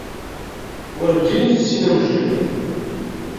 Werǧin i tessin amejjay.